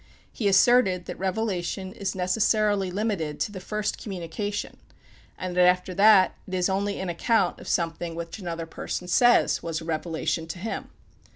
He asserted that revelation is necessarily limited to the first communication, and that after that it is only an account of something which another person says was a revelation to him.